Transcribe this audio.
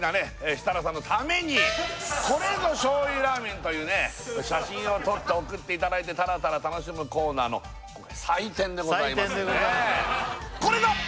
設楽さんのためにこれぞ醤油ラーメンというね写真を撮って送っていただいてただただ楽しむコーナーのこれ祭典でございますね祭典でございますね